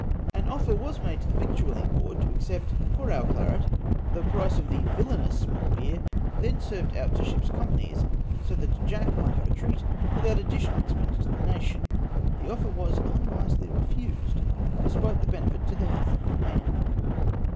An offer was made to the VictuaUing Board to accept, for our claret, the price of the villanous small beer then served out to ships' companies, so that Jack might have a treat without additional expense to the nation. The ofier was unwisely refused, despite the benefit to the health of the men.